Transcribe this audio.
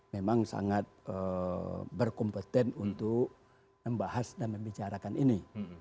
memang sangat berkompeten untuk membahas dan membicarakan ini